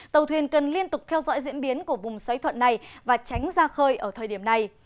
tàu thuyền cần liên tục theo dõi diễn biến của vùng xoáy thuận này và tránh ra khơi ở thời điểm này